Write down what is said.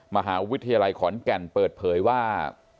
มหาวิทยาลัยขอนแก่นเปิดเผยว่า